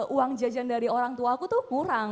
uang jajan dari orangtuaku tuh kurang